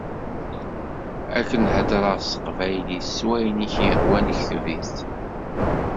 Ad k-n-hedreɣ s teqbaylit, s wayen i k-yehwan kteb-it.